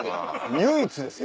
唯一ですよ。